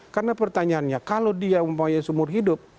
karena pertanyaannya kalau dia umpaya seumur hidup